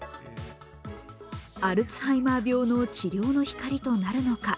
アルツハイマー病の治療の光となるのか。